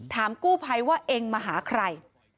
กู้ภัยว่าเองมาหาใคร